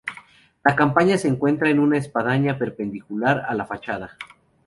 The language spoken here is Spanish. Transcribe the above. La campana se encuentra en una espadaña perpendicular a la fachada.